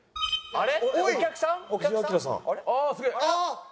あれ。